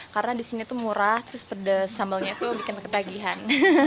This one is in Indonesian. karena disini tuh murah terus pedes sambalnya tuh bikin ketagihan